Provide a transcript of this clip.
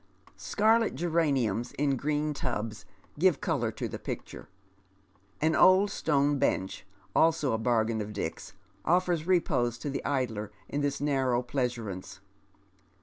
Scarlet geraniums in green tubs give colour to the picture ; an old stone bench, also a barga.in of Dick's, offers repose to the idler in tliis narrow pleasaunce.